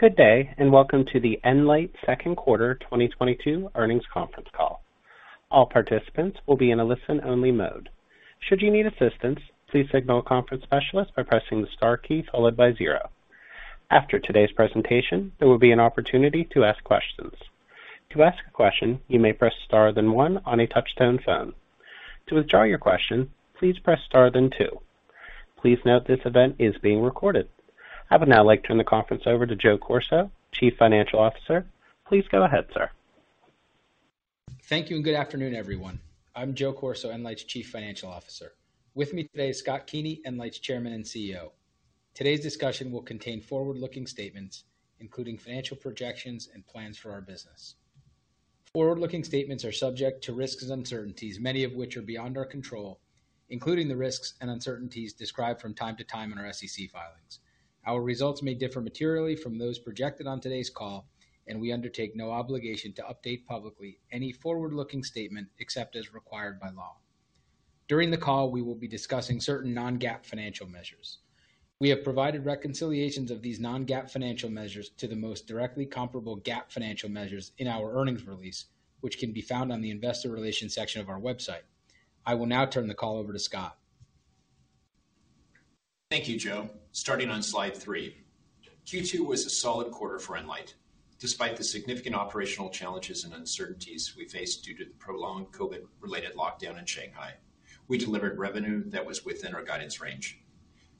Good day, and welcome to the nLIGHT second quarter 2022 earnings conference call. All participants will be in a listen-only mode. Should you need assistance, please signal a conference specialist by pressing the star key followed by zero. After today's presentation, there will be an opportunity to ask questions. To ask a question, you may press star then one on a touch-tone phone. To withdraw your question, please press star then two. Please note this event is being recorded. I would now like to turn the conference over to Joe Corso, Chief Financial Officer. Please go ahead, sir. Thank you, and good afternoon, everyone. I'm Joe Corso, nLIGHT's Chief Financial Officer. With me today is Scott Keeney, nLIGHT's Chairman and CEO. Today's discussion will contain forward-looking statements, including financial projections and plans for our business. Forward-looking statements are subject to risks and uncertainties, many of which are beyond our control, including the risks and uncertainties described from time to time in our SEC filings. Our results may differ materially from those projected on today's call, and we undertake no obligation to update publicly any forward-looking statement except as required by law. During the call, we will be discussing certain non-GAAP financial measures. We have provided reconciliations of these non-GAAP financial measures to the most directly comparable GAAP financial measures in our earnings release, which can be found on the investor relations section of our website. I will now turn the call over to Scott. Thank you, Joe. Starting on slide three. Q2 was a solid quarter for nLIGHT. Despite the significant operational challenges and uncertainties we faced due to the prolonged COVID-related lockdown in Shanghai, we delivered revenue that was within our guidance range.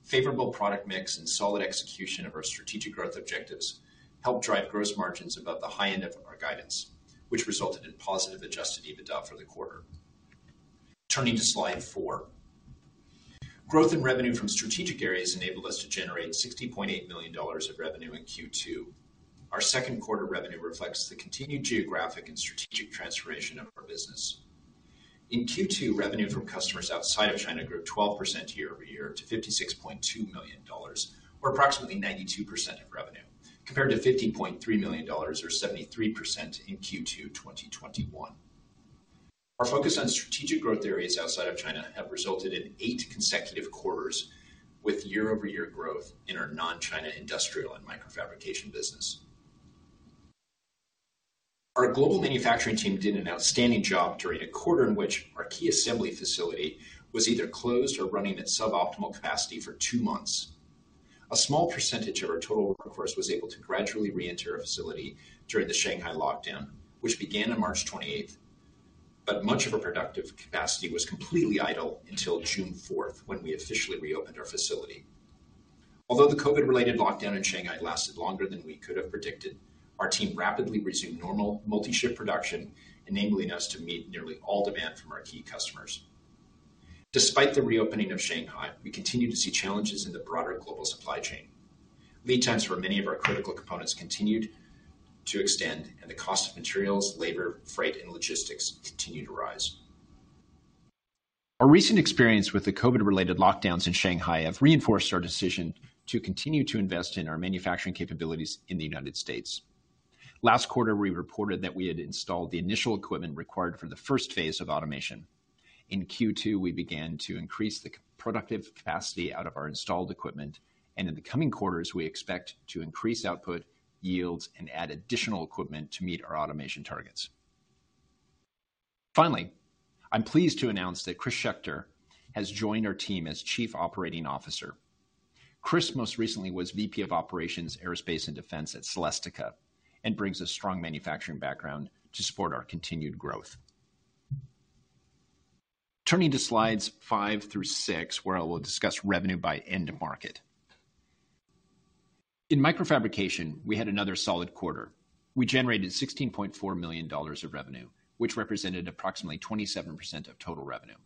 Favorable product mix and solid execution of our strategic growth objectives helped drive gross margins above the high end of our guidance, which resulted in positive adjusted EBITDA for the quarter. Turning to slide four. Growth in revenue from strategic areas enabled us to generate $60.8 million of revenue in Q2. Our second quarter revenue reflects the continued geographic and strategic transformation of our business. In Q2, revenue from customers outside of China grew 12% year-over-year to $56.2 million, or approximately 92% of revenue, compared to $50.3 million or 73% in Q2 2021. Our focus on strategic growth areas outside of China have resulted in eight consecutive quarters with year-over-year growth in our non-China industrial and microfabrication business. Our global manufacturing team did an outstanding job during a quarter in which our key assembly facility was either closed or running at sub-optimal capacity for two months. A small percentage of our total workforce was able to gradually reenter our facility during the Shanghai lockdown, which began on March twenty-eighth. Much of our productive capacity was completely idle until June fourth, when we officially reopened our facility. Although the COVID-related lockdown in Shanghai lasted longer than we could have predicted, our team rapidly resumed normal multi-shift production, enabling us to meet nearly all demand from our key customers. Despite the reopening of Shanghai, we continue to see challenges in the broader global supply chain. Lead times for many of our critical components continued to extend, and the cost of materials, labor, freight, and logistics continue to rise. Our recent experience with the COVID-related lockdowns in Shanghai have reinforced our decision to continue to invest in our manufacturing capabilities in the United States. Last quarter, we reported that we had installed the initial equipment required for the first phase of automation. In Q2, we began to increase the productive capacity out of our installed equipment, and in the coming quarters, we expect to increase output yields and add additional equipment to meet our automation targets. Finally, I'm pleased to announce that Chris Schechter has joined our team as Chief Operating Officer. Chris most recently was VP of Operations, Aerospace, and Defense at Celestica and brings a strong manufacturing background to support our continued growth. Turning to slides five through six, where I will discuss revenue by end market. In microfabrication, we had another solid quarter. We generated $16.4 million of revenue, which represented approximately 27% of total revenue.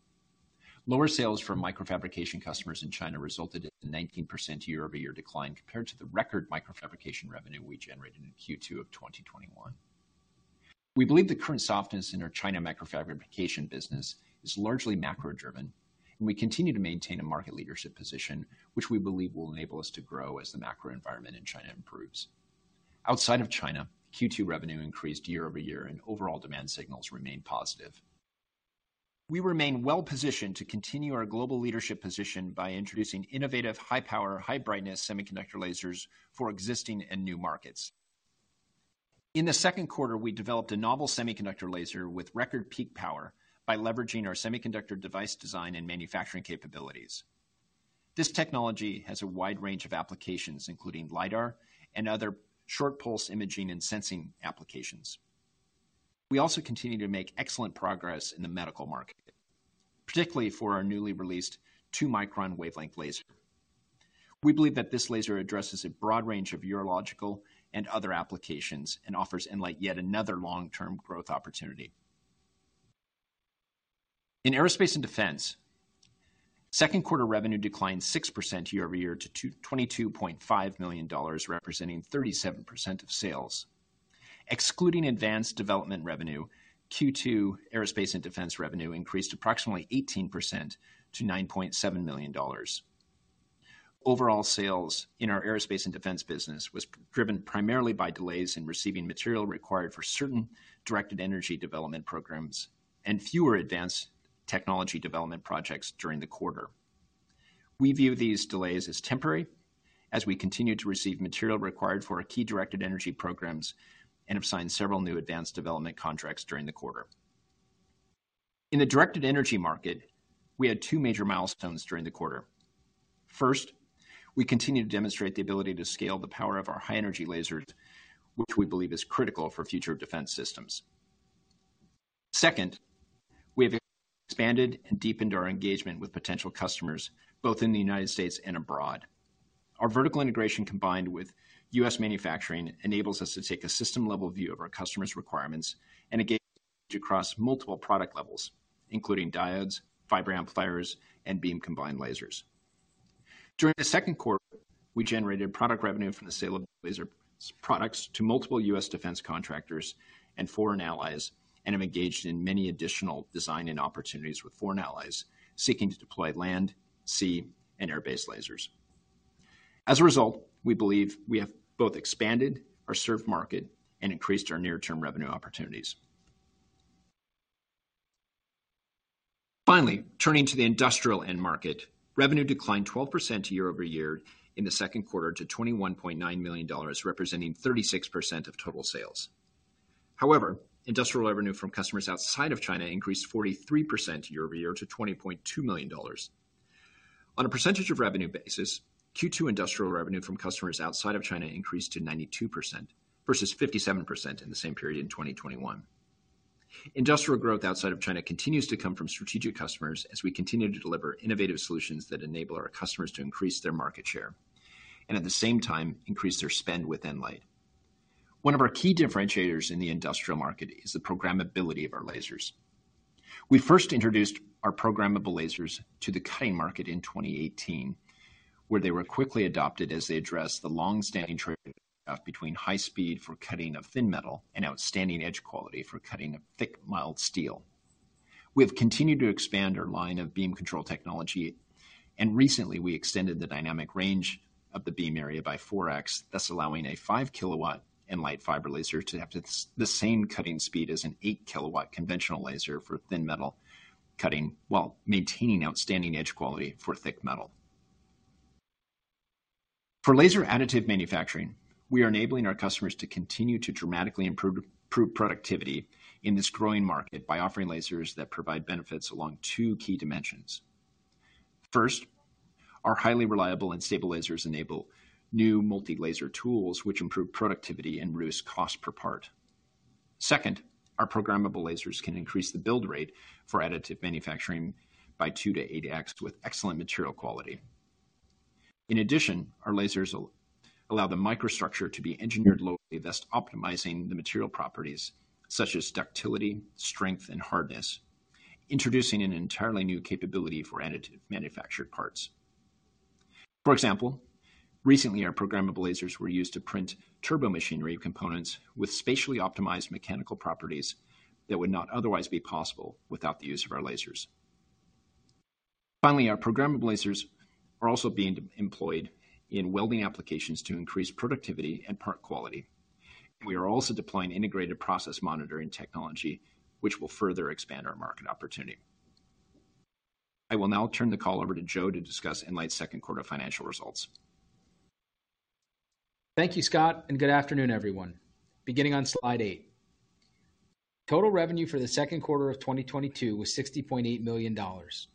Lower sales from microfabrication customers in China resulted in a 19% year-over-year decline compared to the record microfabrication revenue we generated in Q2 of 2021. We believe the current softness in our China microfabrication business is largely macro-driven, and we continue to maintain a market leadership position, which we believe will enable us to grow as the macro environment in China improves. Outside of China, Q2 revenue increased year-over-year and overall demand signals remain positive. We remain well-positioned to continue our global leadership position by introducing innovative high power, high brightness semiconductor lasers for existing and new markets. In the second quarter, we developed a novel semiconductor laser with record peak power by leveraging our semiconductor device design and manufacturing capabilities. This technology has a wide range of applications, including LIDAR and other short-pulse imaging and sensing applications. We also continue to make excellent progress in the medical market, particularly for our newly released two-micron wavelength laser. We believe that this laser addresses a broad range of urological and other applications and offers nLIGHT yet another long-term growth opportunity. In aerospace and defense, second quarter revenue declined 6% year-over-year to $22.5 million, representing 37% of sales. Excluding advanced development revenue, Q2 aerospace and defense revenue increased approximately 18% to $9.7 million. Overall sales in our aerospace and defense business was driven primarily by delays in receiving material required for certain directed energy development programs and fewer advanced technology development projects during the quarter. We view these delays as temporary as we continue to receive material required for our key directed energy programs and have signed several new advanced development contracts during the quarter. In the directed energy market, we had two major milestones during the quarter. First, we continue to demonstrate the ability to scale the power of our high-energy lasers, which we believe is critical for future defense systems. Second, we have expanded and deepened our engagement with potential customers, both in the United States and abroad. Our vertical integration, combined with U.S. manufacturing, enables us to take a system-level view of our customer's requirements and engage across multiple product levels, including diodes, fiber amplifiers, and beam-combined lasers. During the second quarter, we generated product revenue from the sale of laser products to multiple U.S. defense contractors and foreign allies, and have engaged in many additional design-in opportunities with foreign allies seeking to deploy land, sea, and air-based lasers. As a result, we believe we have both expanded our served market and increased our near-term revenue opportunities. Finally, turning to the industrial end market, revenue declined 12% year-over-year in the second quarter to $21.9 million, representing 36% of total sales. However, industrial revenue from customers outside of China increased 43% year-over-year to $20.2 million. On a percentage of revenue basis, Q2 industrial revenue from customers outside of China increased to 92% versus 57% in the same period in 2021. Industrial growth outside of China continues to come from strategic customers as we continue to deliver innovative solutions that enable our customers to increase their market share and at the same time increase their spend with nLIGHT. One of our key differentiators in the industrial market is the programmability of our lasers. We first introduced our programmable lasers to the cutting market in 2018, where they were quickly adopted as they addressed the long-standing trade-off between high speed for cutting of thin metal and outstanding edge quality for cutting of thick, mild steel. We have continued to expand our line of beam control technology, and recently we extended the dynamic range of the beam area by 4x, thus allowing a 5 kW nLIGHT fiber laser to have the same cutting speed as an 8 kW conventional laser for thin metal cutting while maintaining outstanding edge quality for thick metal. For laser additive manufacturing, we are enabling our customers to continue to dramatically improve productivity in this growing market by offering lasers that provide benefits along two key dimensions. First, our highly reliable and stable lasers enable new multi-laser tools which improve productivity and reduce cost per part. Second, our programmable lasers can increase the build rate for additive manufacturing by 2x-8x with excellent material quality. In addition, our lasers allow the microstructure to be engineered locally, thus optimizing the material properties such as ductility, strength, and hardness, introducing an entirely new capability for additive manufactured parts. For example, recently our programmable lasers were used to print turbo machinery components with spatially optimized mechanical properties that would not otherwise be possible without the use of our lasers. Finally, our programmable lasers are also being employed in welding applications to increase productivity and part quality. We are also deploying integrated process monitoring technology, which will further expand our market opportunity. I will now turn the call over to Joe to discuss nLIGHT's second quarter financial results. Thank you, Scott, and good afternoon, everyone. Beginning on slide eight. Total revenue for the second quarter of 2022 was $60.8 million,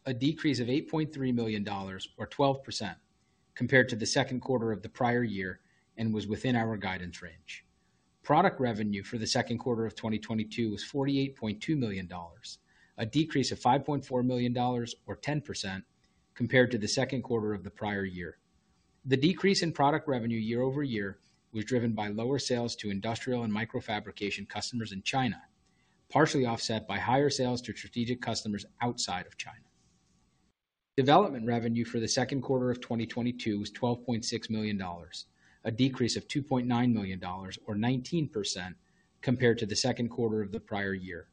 a decrease of $8.3 million or 12% compared to the second quarter of the prior year and was within our guidance range. Product revenue for the second quarter of 2022 was $48.2 million, a decrease of $5.4 million or 10% compared to the second quarter of the prior year. The decrease in product revenue year-over-year was driven by lower sales to industrial and microfabrication customers in China, partially offset by higher sales to strategic customers outside of China. Development revenue for the second quarter of 2022 was $12.6 million, a decrease of $2.9 million or 19% compared to the second quarter of the prior year.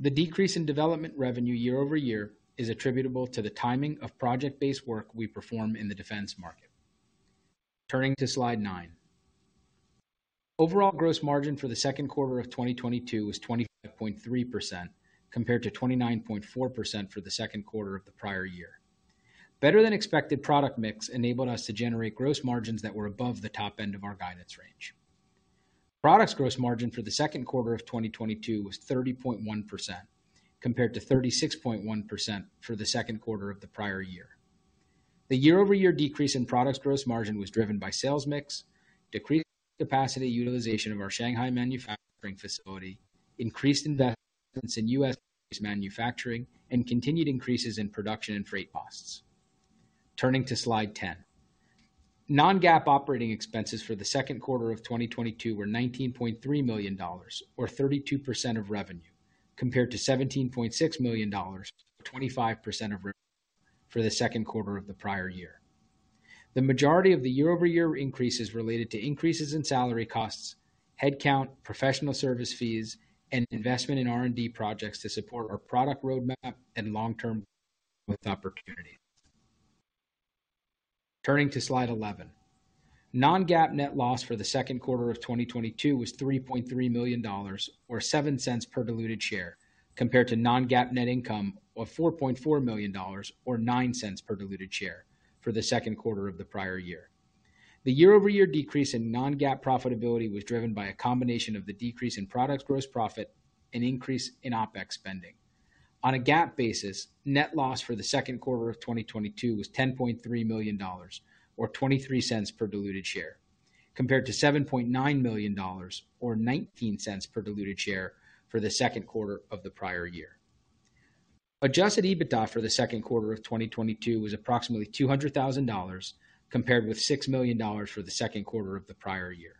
The decrease in development revenue year-over-year is attributable to the timing of project-based work we perform in the defense market. Turning to slide nine. Overall gross margin for the second quarter of 2022 was 25.3% compared to 29.4% for the second quarter of the prior year. Better than expected product mix enabled us to generate gross margins that were above the top end of our guidance range. Products gross margin for the second quarter of 2022 was 30.1% compared to 36.1% for the second quarter of the prior year. The year-over-year decrease in products gross margin was driven by sales mix, decreased capacity utilization of our Shanghai manufacturing facility, increased investments in U.S. manufacturing, and continued increases in production and freight costs. Turning to slide 10. non-GAAP operating expenses for the second quarter of 2022 were $19.3 million or 32% of revenue, compared to $17.6 million, 25% of revenue for the second quarter of the prior year. The majority of the year-over-year increase is related to increases in salary costs, headcount, professional service fees, and investment in R&D projects to support our product roadmap and long-term growth opportunity. Turning to slide 11. non-GAAP net loss for the second quarter of 2022 was $3.3 million or $0.07 per diluted share compared to non-GAAP net income of $4.4 million or $0.09 per diluted share for the second quarter of the prior year. The year-over-year decrease in non-GAAP profitability was driven by a combination of the decrease in product gross profit and increase in OpEx spending. On a GAAP basis, net loss for the second quarter of 2022 was $10.3 million or $0.23 per diluted share, compared to $7.9 million or $0.19 per diluted share for the second quarter of the prior year. Adjusted EBITDA for the second quarter of 2022 was approximately $200,000 compared with $6 million for the second quarter of the prior year.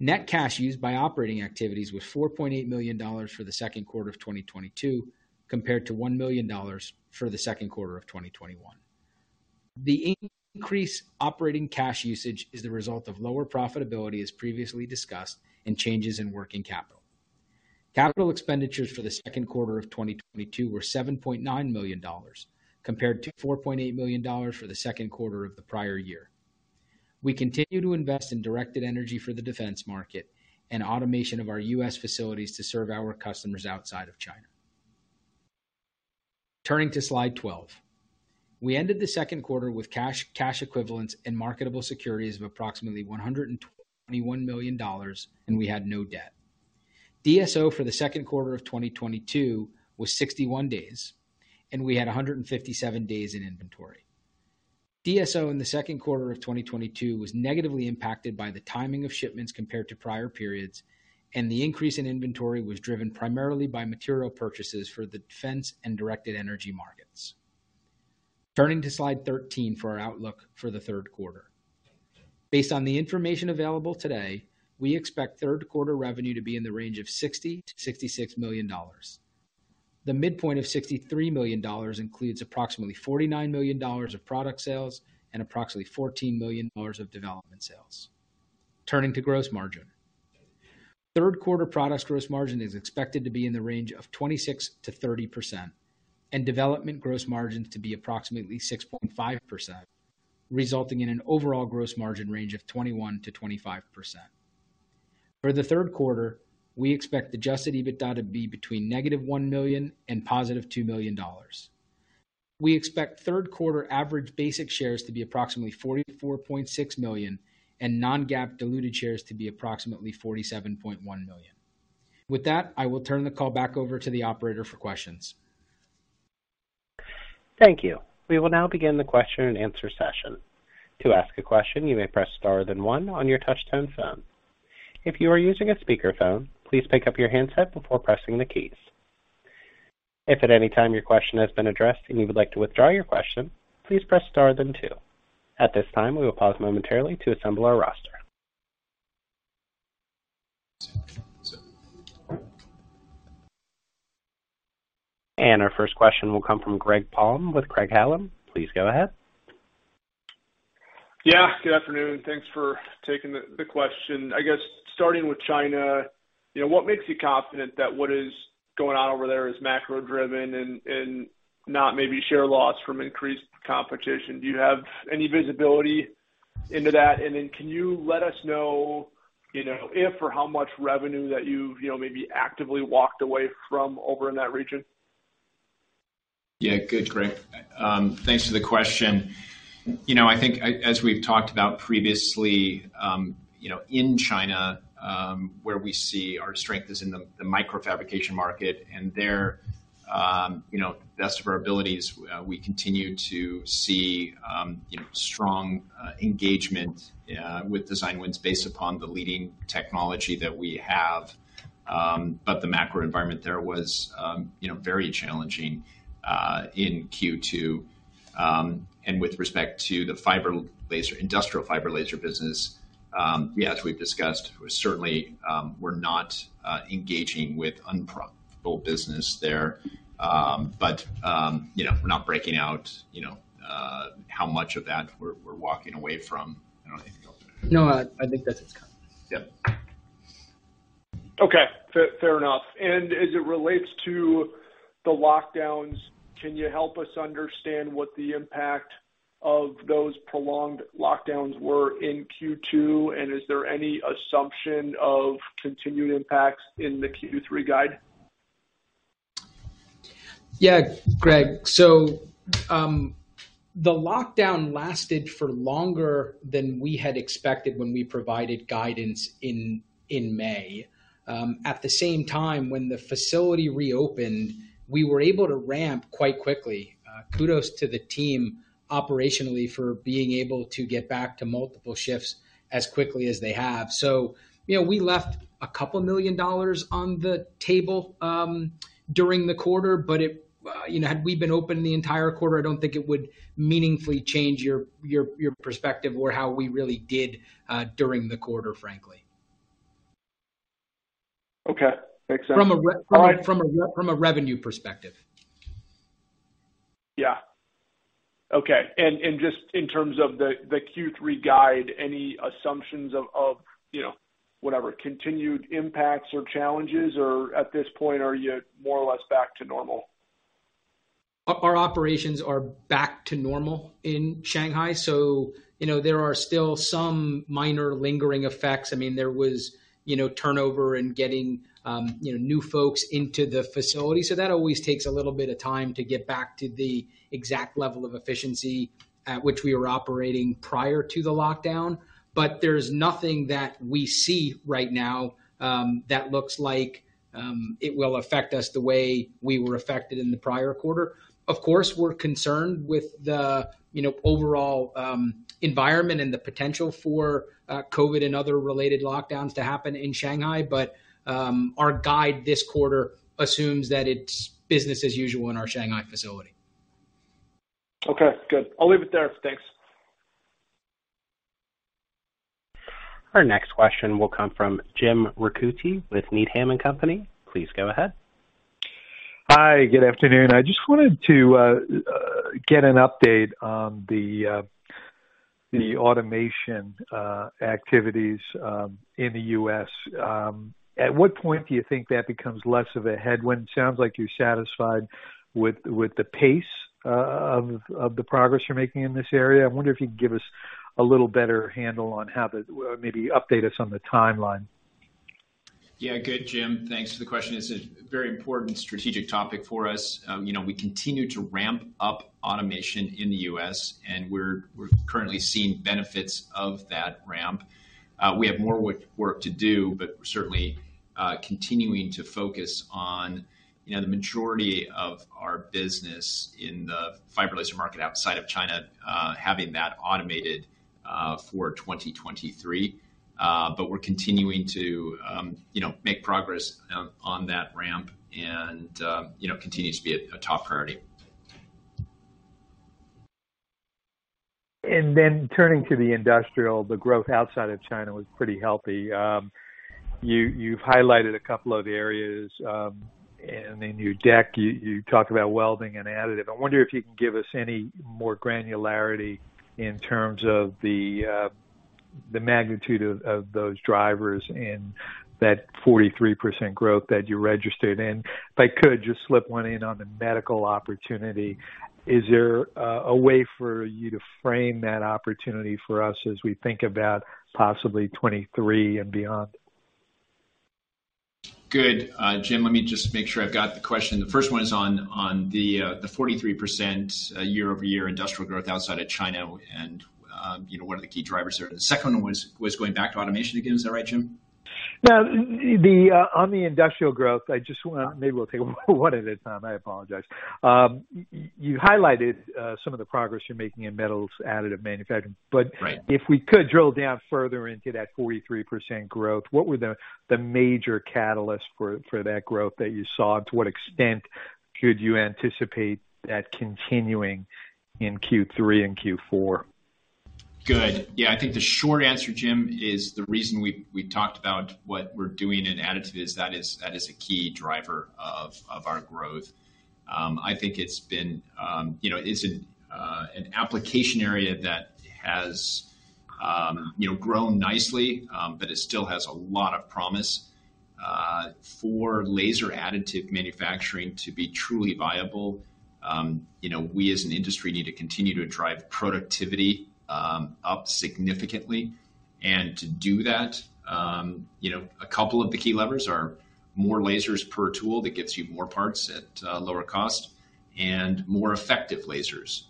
Net cash used by operating activities was $4.8 million for the second quarter of 2022, compared to $1 million for the second quarter of 2021. The increased operating cash usage is the result of lower profitability, as previously discussed, and changes in working capital. Capital expenditures for the second quarter of 2022 were $7.9 million, compared to $4.8 million for the second quarter of the prior year. We continue to invest in directed energy for the defense market and automation of our U.S. facilities to serve our customers outside of China. Turning to slide 12. We ended the second quarter with cash equivalents, and marketable securities of approximately $121 million, and we had no debt. DSO for the second quarter of 2022 was 61 days, and we had 157 days in inventory. DSO in the second quarter of 2022 was negatively impacted by the timing of shipments compared to prior periods, and the increase in inventory was driven primarily by material purchases for the defense and directed energy markets. Turning to slide 13 for our outlook for the third quarter. Based on the information available today, we expect third quarter revenue to be in the range of $60-$66 million. The midpoint of $63 million includes approximately $49 million of product sales and approximately $14 million of development sales. Turning to gross margin. Third quarter product gross margin is expected to be in the range of 26%-30% and development gross margin to be approximately 6.5%, resulting in an overall gross margin range of 21%-25%. For the third quarter, we expect adjusted EBITDA to be between -$1 million and +$2 million. We expect third quarter average basic shares to be approximately 44.6 million and non-GAAP diluted shares to be approximately 47.1 million. With that, I will turn the call back over to the operator for questions. Thank you. We will now begin the question and answer session. To ask a question, you may press star then one on your touch-tone phone. If you are using a speakerphone, please pick up your handset before pressing the keys. If at any time your question has been addressed and you would like to withdraw your question, please press star then two. At this time, we will pause momentarily to assemble our roster. Our first question will come from Greg Palm with Craig-Hallum. Please go ahead. Yeah, good afternoon. Thanks for taking the question. I guess starting with China, you know, what makes you confident that what is going on over there is macro-driven and not maybe share loss from increased competition? Do you have any visibility into that? And then can you let us know, you know, if or how much revenue that you've, you know, maybe actively walked away from over in that region? Yeah. Good, Greg. Thanks for the question. You know, I think as we've talked about previously, you know, in China, where we see our strength is in the microfabrication market, and there, you know, best of our abilities, we continue to see, you know, strong engagement with design wins based upon the leading technology that we have. But the macro environment there was you know very challenging in Q2. With respect to the fiber laser industrial fiber laser business, yeah, as we've discussed, certainly, we're not engaging with unprofitable business there. You know, we're not breaking out you know how much of that we're walking away from. I don't know anything else. No, I think that's it, Scott. Yeah. Okay. Fair enough. As it relates to the lockdowns, can you help us understand what the impact of those prolonged lockdowns were in Q2? Is there any assumption of continued impacts in the Q3 guide? Yeah. Greg. The lockdown lasted for longer than we had expected when we provided guidance in May. At the same time, when the facility reopened, we were able to ramp quite quickly. Kudos to the team operationally for being able to get back to multiple shifts as quickly as they have. You know, we left $2 million on the table during the quarter, but it, you know, had we been open the entire quarter, I don't think it would meaningfully change your perspective or how we really did during the quarter, frankly. Okay. Makes sense. From a revenue perspective. Yeah. Okay. Just in terms of the Q3 guide, any assumptions of you know, whatever, continued impacts or challenges, or at this point, are you more or less back to normal? Our operations are back to normal in Shanghai. You know, there are still some minor lingering effects. I mean, there was you know turnover in getting new folks into the facility, so that always takes a little bit of time to get back to the exact level of efficiency at which we were operating prior to the lockdown. There's nothing that we see right now that looks like it will affect us the way we were affected in the prior quarter. Of course, we're concerned with the you know overall environment and the potential for COVID and other related lockdowns to happen in Shanghai. Our guide this quarter assumes that it's business as usual in our Shanghai facility. Okay, good. I'll leave it there. Thanks. Our next question will come from Jim Ricchiuti with Needham & Company. Please go ahead. Hi, good afternoon. I just wanted to get an update on the automation activities in the U.S. At what point do you think that becomes less of a headwind? Sounds like you're satisfied with the pace of the progress you're making in this area. I wonder if you can give us a little better handle on or maybe update us on the timeline. Yeah. Good, Jim. Thanks for the question. This is a very important strategic topic for us. You know, we continue to ramp up automation in the U.S., and we're currently seeing benefits of that ramp. We have more work to do, but we're certainly continuing to focus on, you know, the majority of our business in the fiber laser market outside of China, having that automated for 2023. We're continuing to, you know, make progress on that ramp and, you know, continues to be a top priority. Turning to the industrial, the growth outside of China was pretty healthy. You've highlighted a couple of the areas, and in your deck, you talk about welding and additive. I wonder if you can give us any more granularity in terms of the magnitude of those drivers and that 43% growth that you registered in. If I could just slip one in on the medical opportunity. Is there a way for you to frame that opportunity for us as we think about possibly 2023 and beyond? Good. Jim, let me just make sure I've got the question. The first one is on the 43% year-over-year industrial growth outside of China and, you know, what are the key drivers there. The second one was going back to automation again. Is that right, Jim? No. On the industrial growth, maybe we'll take one at a time. I apologize. You highlighted some of the progress you're making in metals additive manufacturing. Right. If we could drill down further into that 43% growth, what were the major catalysts for that growth that you saw? To what extent could you anticipate that continuing in Q3 and Q4? Good. Yeah, I think the short answer, Jim, is the reason we talked about what we're doing in additive, that is a key driver of our growth. I think it's been, you know, it's an application area that has, you know, grown nicely, but it still has a lot of promise. For laser additive manufacturing to be truly viable, you know, we as an industry need to continue to drive productivity up significantly. To do that, you know, a couple of the key levers are more lasers per tool that gets you more parts at lower cost and more effective lasers.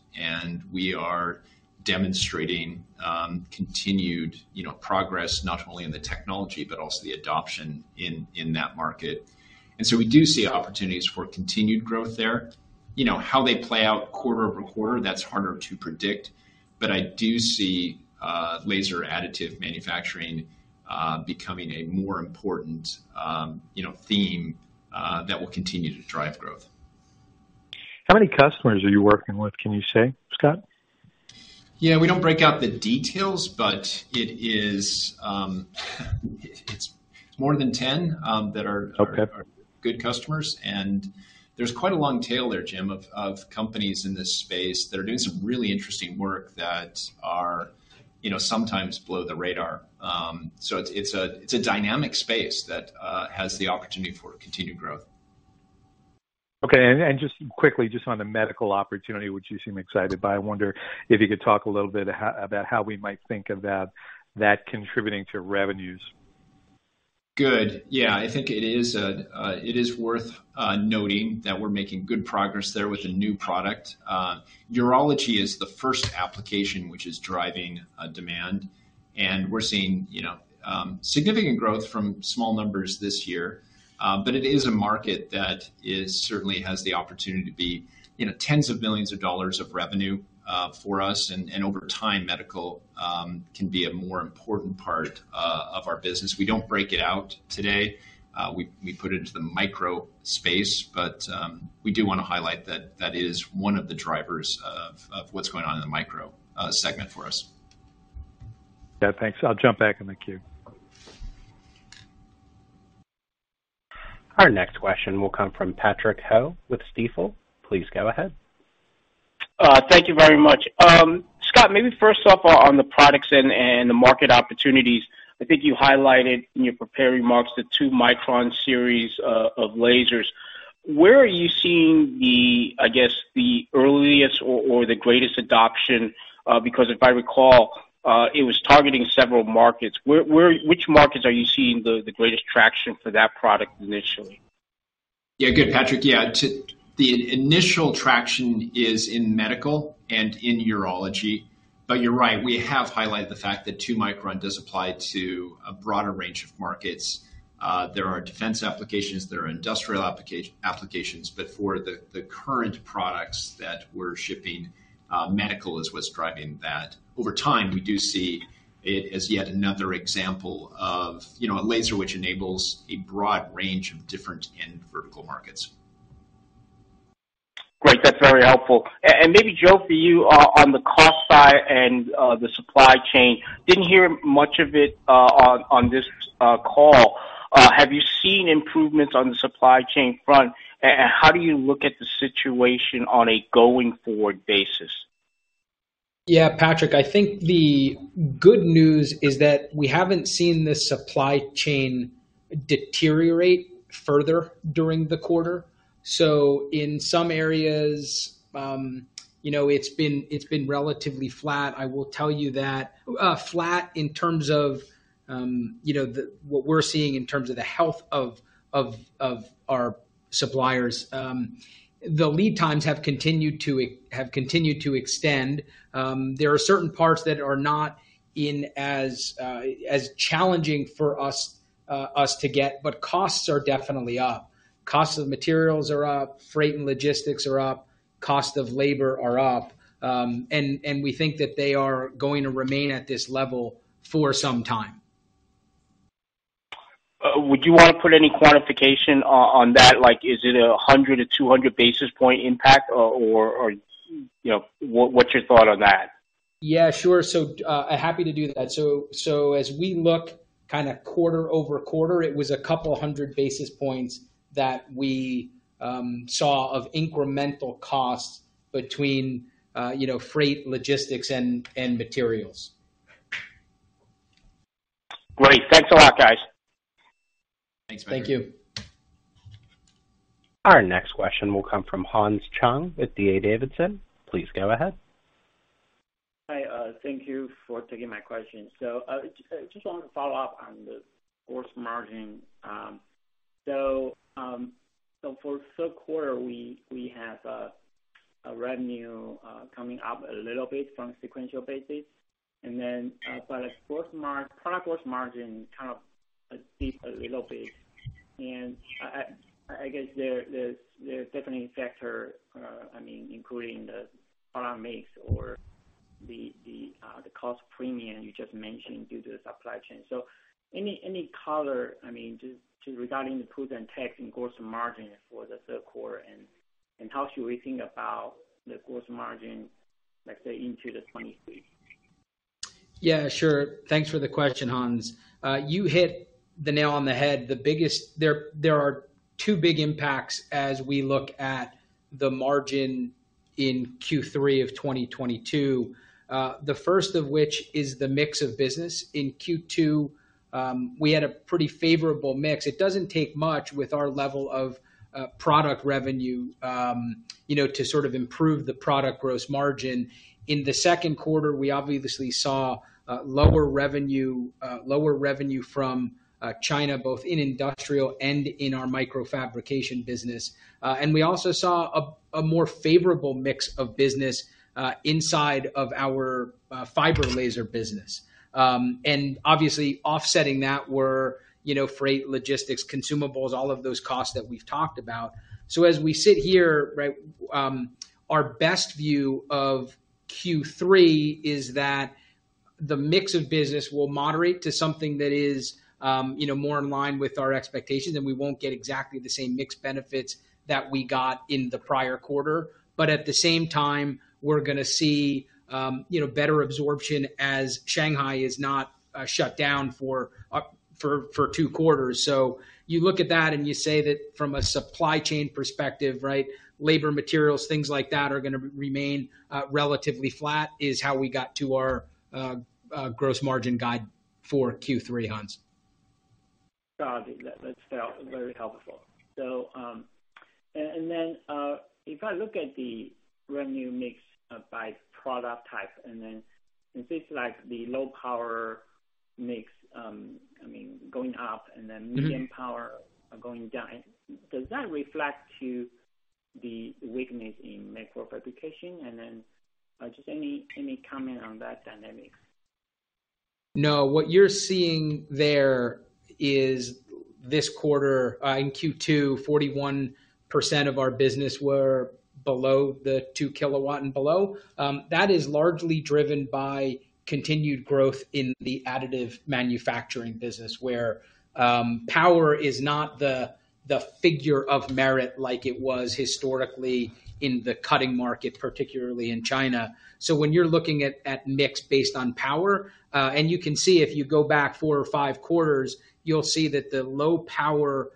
We are demonstrating continued, you know, progress not only in the technology but also the adoption in that market. We do see opportunities for continued growth there. You know, how they play out quarter-over-quarter, that's harder to predict. I do see laser additive manufacturing becoming a more important, you know, theme that will continue to drive growth. How many customers are you working with, can you say, Scott? Yeah, we don't break out the details, but it is. It's more than 10 that are- Okay... are good customers. There's quite a long tail there, Jim, of companies in this space that are doing some really interesting work that are, you know, sometimes below the radar. It's a dynamic space that has the opportunity for continued growth. Okay. Just quickly, just on the medical opportunity, which you seem excited by, I wonder if you could talk a little bit about how we might think about that contributing to revenues. Good. Yeah. I think it is worth noting that we're making good progress there with a new product. Urology is the first application which is driving demand, and we're seeing, you know, significant growth from small numbers this year. But it is a market that certainly has the opportunity to be, you know, tens of millions of dollars of revenue for us. And over time, medical can be a more important part of our business. We don't break it out today. We put it into the micro space, but we do wanna highlight that that is one of the drivers of what's going on in the micro segment for us. Yeah, thanks. I'll jump back in the queue. Our next question will come from Patrick Ho with Stifel. Please go ahead. Thank you very much. Scott, maybe first off on the products and the market opportunities. I think you highlighted in your prepared remarks the two-micron series of lasers. Where are you seeing I guess the earliest or the greatest adoption? Because if I recall, it was targeting several markets. Which markets are you seeing the greatest traction for that product initially? Yeah. Good, Patrick. Yeah. The initial traction is in medical and in urology. But you're right, we have highlighted the fact that two micron does apply to a broader range of markets. There are defense applications, there are industrial applications, but for the current products that we're shipping, medical is what's driving that. Over time, we do see it as yet another example of, you know, a laser which enables a broad range of different end vertical markets. Great. That's very helpful. Maybe Joe, for you, on the cost side and the supply chain, didn't hear much of it on this call. Have you seen improvements on the supply chain front? How do you look at the situation on a going forward basis? Yeah, Patrick, I think the good news is that we haven't seen the supply chain deteriorate further during the quarter. In some areas, you know, it's been relatively flat. I will tell you that flat in terms of you know what we're seeing in terms of the health of our suppliers. The lead times have continued to extend. There are certain parts that are not as challenging for us to get, but costs are definitely up. Costs of materials are up, freight and logistics are up, cost of labor are up. We think that they are going to remain at this level for some time. Would you wanna put any quantification on that? Like, is it 100-200 basis point impact or, you know, what's your thought on that? Yeah, sure. Happy to do that. As we look kinda quarter-over-quarter, it was 200 basis points that we saw of incremental costs between, you know, freight, logistics and materials. Great. Thanks a lot, guys. Thanks, Patrick. Thank you. Our next question will come from Han Chung with D.A. Davidson. Please go ahead. Hi. Thank you for taking my question. Just wanted to follow up on the gross margin. For third quarter, we have a revenue coming up a little bit from sequential basis. As product gross margin kind of dipped a little bit. I guess there are definitely factors, I mean, including the product mix or the cost premium you just mentioned due to the supply chain. Any color, I mean, just regarding the prudent take in gross margin for the third quarter and how should we think about the gross margin, let's say, into 2023? Yeah, sure. Thanks for the question, Han. You hit the nail on the head. There are two big impacts as we look at the margin in Q3 of 2022. The first of which is the mix of business. In Q2, we had a pretty favorable mix. It doesn't take much with our level of product revenue, you know, to sort of improve the product gross margin. In the second quarter, we obviously saw lower revenue from China, both in industrial and in our microfabrication business. We also saw a more favorable mix of business inside of our fiber laser business. Obviously offsetting that were, you know, freight, logistics, consumables, all of those costs that we've talked about. As we sit here, right, our best view of Q3 is that the mix of business will moderate to something that is, you know, more in line with our expectations, and we won't get exactly the same mix benefits that we got in the prior quarter. But at the same time, we're gonna see, you know, better absorption as Shanghai is not shut down for two quarters. You look at that and you say that from a supply chain perspective, right, labor materials, things like that are gonna remain relatively flat, is how we got to our gross margin guide for Q3, Hans. Got it. That's very helpful. If I look at the revenue mix by product type, and then it seems like the low power mix, I mean, going up and then. Mm-hmm. Medium-power going down, does that reflect the weakness in microfabrication? Then, just any comment on that dynamic? No, what you're seeing there is this quarter in Q2, 41% of our business were below the 2 kW and below. That is largely driven by continued growth in the additive manufacturing business, where power is not the figure of merit like it was historically in the cutting market, particularly in China. When you're looking at mix based on power, and you can see if you go back four or five quarters, you'll see that the low power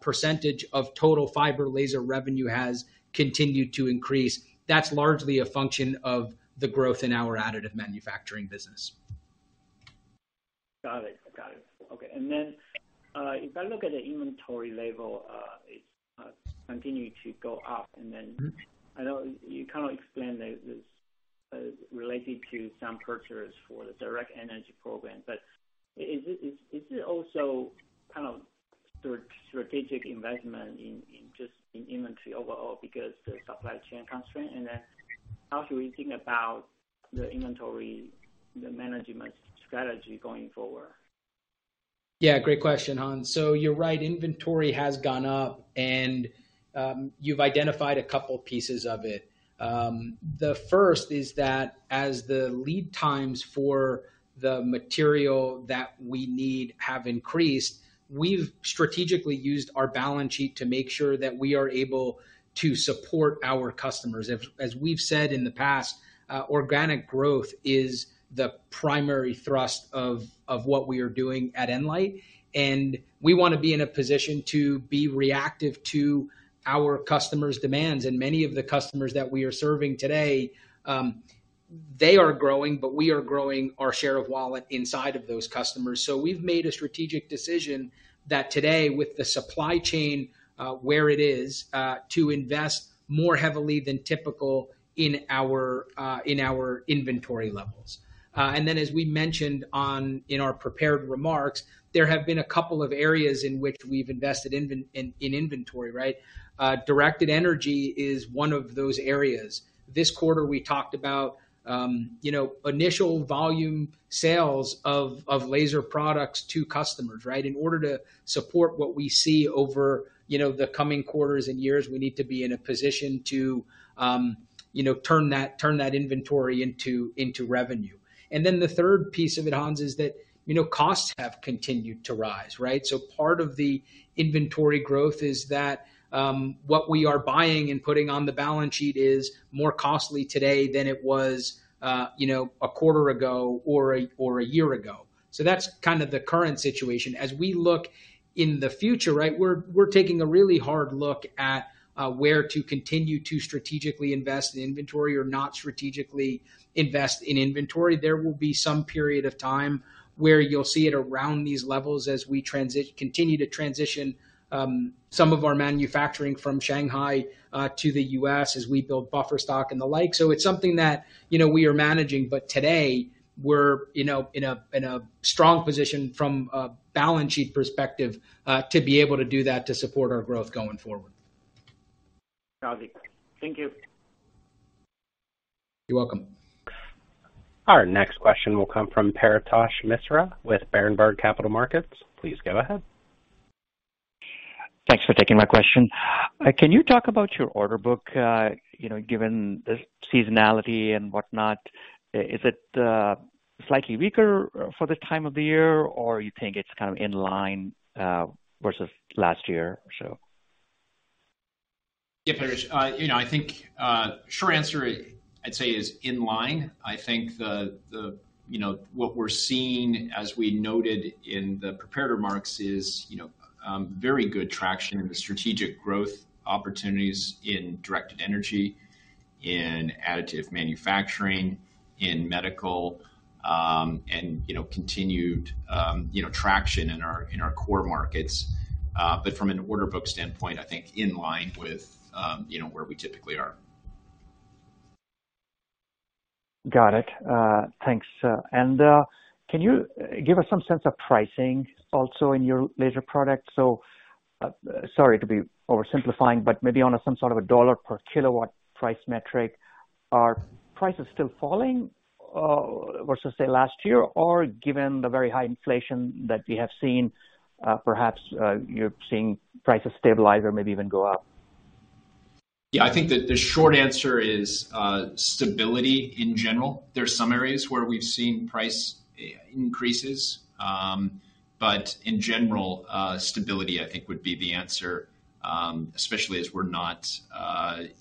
percentage of total fiber laser revenue has continued to increase. That's largely a function of the growth in our additive manufacturing business. Got it. Okay. If I look at the inventory level, it continue to go up. Mm-hmm. I know you kind of explained that it's related to some purchases for the directed energy program, but is it also kind of strategic investment in just in inventory overall because the supply chain constraint? And then how should we think about the inventory, the management strategy going forward? Yeah, great question, Han. You're right, inventory has gone up, and you've identified a couple pieces of it. The first is that as the lead times for the material that we need have increased, we've strategically used our balance sheet to make sure that we are able to support our customers. As we've said in the past, organic growth is the primary thrust of what we are doing at nLIGHT, and we wanna be in a position to be reactive to our customers' demands. Many of the customers that we are serving today, they are growing, but we are growing our share of wallet inside of those customers. We've made a strategic decision that today, with the supply chain, where it is, to invest more heavily than typical in our inventory levels. As we mentioned in our prepared remarks, there have been a couple of areas in which we've invested in inventory, right? Directed energy is one of those areas. This quarter we talked about, you know, initial volume sales of laser products to customers, right? In order to support what we see over, you know, the coming quarters and years, we need to be in a position to, you know, turn that inventory into revenue. The third piece of it, Han, is that, you know, costs have continued to rise, right? Part of the inventory growth is that, what we are buying and putting on the balance sheet is more costly today than it was, you know, a quarter ago or a year ago. That's kind of the current situation. As we look in the future, we're taking a really hard look at where to continue to strategically invest in inventory or not strategically invest in inventory. There will be some period of time where you'll see it around these levels as we continue to transition some of our manufacturing from Shanghai to the U.S. as we build buffer stock and the like. It's something that, you know, we are managing. Today we're, you know, in a strong position from a balance sheet perspective to be able to do that to support our growth going forward. Got it. Thank you. You're welcome. Our next question will come from Paretosh Misra with Berenberg Capital Markets. Please go ahead. Thanks for taking my question. Can you talk about your order book, you know, given the seasonality and whatnot, is it slightly weaker for this time of the year, or you think it's kind of in line versus last year or so? Yeah, Paretosh. You know, I think short answer I'd say is in line. I think you know, what we're seeing as we noted in the prepared remarks is you know, very good traction in the strategic growth opportunities in directed energy, in additive manufacturing, in medical, and you know, continued traction in our core markets. From an order book standpoint, I think in line with you know, where we typically are. Got it. Thanks. Can you give us some sense of pricing also in your laser product? Sorry to be oversimplifying, but maybe on some sort of a dollar per kilowatt price metric, are prices still falling versus, say, last year? Given the very high inflation that we have seen, perhaps you're seeing prices stabilize or maybe even go up? Yeah, I think the short answer is stability in general. There's some areas where we've seen price increases. In general, stability, I think would be the answer, especially as we're not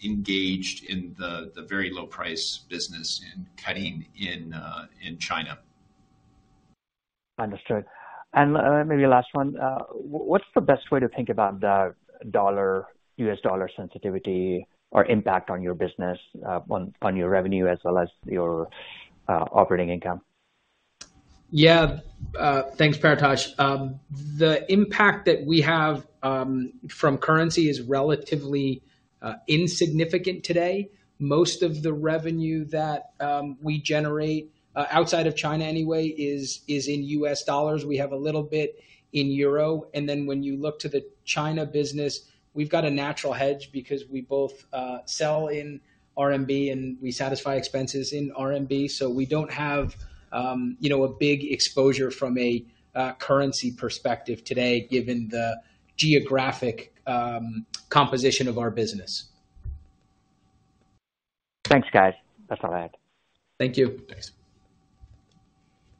engaged in the very low price business in cutting in China. Understood. Maybe last one. What's the best way to think about the dollar, US dollar sensitivity or impact on your business, on your revenue as well as your operating income? Yeah. Thanks, Paretosh. The impact that we have from currency is relatively insignificant today. Most of the revenue that we generate outside of China anyway is in US dollars. We have a little bit in euro, and then when you look to the China business, we've got a natural hedge because we both sell in RMB, and we satisfy expenses in RMB. We don't have you know a big exposure from a currency perspective today given the geographic composition of our business. Thanks, guys. That's all I had. Thank you. Thanks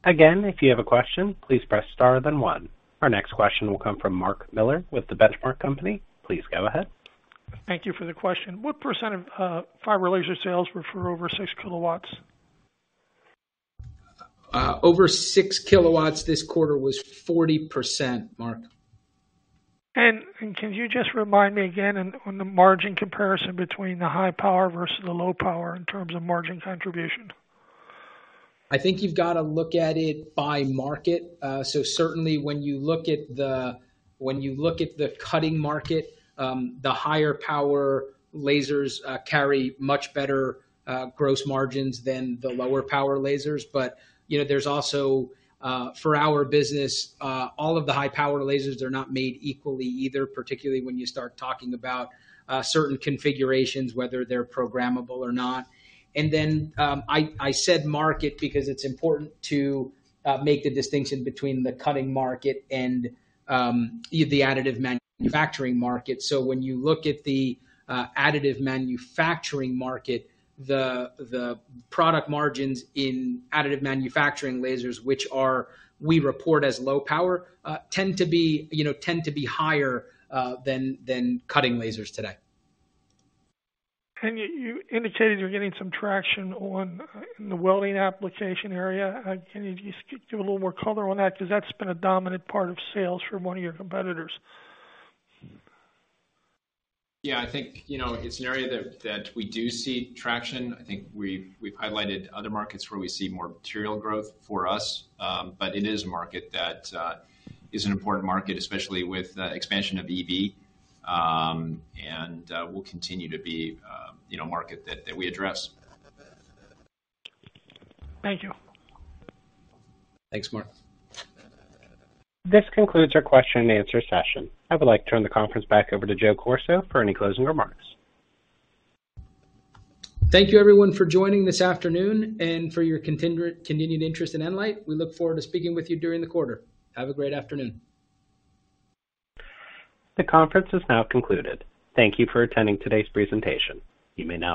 again. If you have a question, please press star then one. Our next question will come from Mark Miller with The Benchmark Company. Please go ahead. Thank you for the question. What % of fiber laser sales were for over 6 kilowatts? Over 6 kilowatts this quarter was 40%, Mark. Can you just remind me again on the margin comparison between the high power versus the low power in terms of margin contribution? I think you've got to look at it by market. Certainly when you look at the cutting market, the higher power lasers carry much better gross margins than the lower power lasers. You know, there's also for our business, all of the high power lasers are not made equally either, particularly when you start talking about certain configurations, whether they're programmable or not. I said market because it's important to make the distinction between the cutting market and the additive manufacturing market. When you look at the additive manufacturing market, the product margins in additive manufacturing lasers, which we report as low power, tend to be, you know, higher than cutting lasers today. You indicated you're getting some traction in the welding application area. Can you just give a little more color on that? Because that's been a dominant part of sales for one of your competitors. Yeah, I think, you know, it's an area that we do see traction. I think we've highlighted other markets where we see more material growth for us. It is a market that is an important market, especially with the expansion of EV. Will continue to be, you know, a market that we address. Thank you. Thanks, Mark. This concludes our question and answer session. I would like to turn the conference back over to Joseph Corso for any closing remarks. Thank you everyone for joining this afternoon and for your continued interest in nLIGHT. We look forward to speaking with you during the quarter. Have a great afternoon. The conference is now concluded. Thank you for attending today's presentation. You may now disconnect.